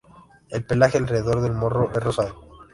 El pelaje alrededor del morro es rosado.